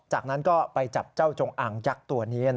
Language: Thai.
จากนั้นก็ไปจับเจ้าจงอ่างยักษ์ตัวนี้